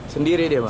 sendiri dia bang